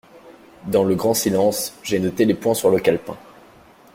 Dans le grand silence, j’ai noté les points sur le calepin.